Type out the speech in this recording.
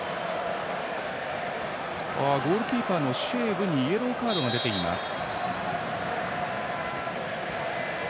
ゴールキーパーのシェーブにイエローカードが出ています。